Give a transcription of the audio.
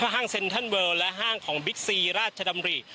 ห้างเซ็นทรัลเวิลและห้างของบิ๊กซีราชดำริ